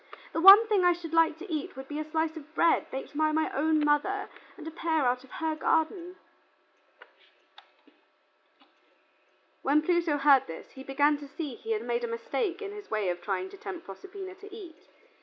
The one thing I should like to eat would be a slice of bread baked by my own mother, and a pear out of her garden." When Pluto heard this he began to see that he had made a mistake in his way of trying to tempt Proserpina to eat.